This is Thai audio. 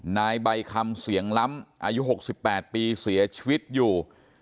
นายใบคำเสียงล้ำอายุ๖๘ปีเสียชีวิตอยู่